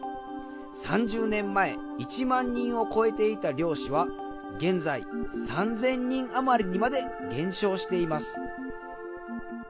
３０年前１万人を超えていた漁師は現在３０００人あまりにまで減少しています。